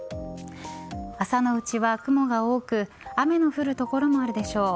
朝のうちは雲が多く雨の降る所もあるでしょう。